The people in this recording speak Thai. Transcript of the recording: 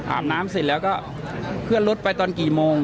อาบน้ำเสร็จแล้วก็เคลื่อนรถไปตอนกี่โมง